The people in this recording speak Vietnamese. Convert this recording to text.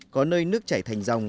có nơi nước chảy thành dòng